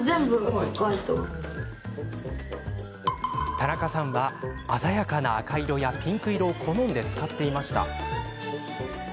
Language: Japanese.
たなかさんは、鮮やかな赤色やピンク色を好んで使っていました。